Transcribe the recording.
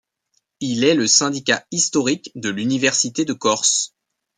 Il est le syndicat historique de l'Université de Corse.